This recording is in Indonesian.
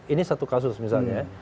ini satu kasus misalnya